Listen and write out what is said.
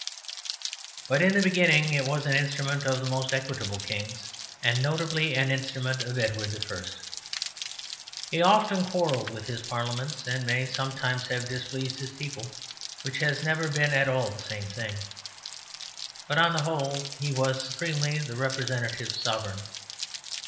But in the beginning it was an instrument of the most equitable kings, and notably an instrument of Edward I. He often quarrelled with his parliaments and may sometimes have displeased his people (which has never been at all the same thing), but on the whole he was supremely the representative sovereign.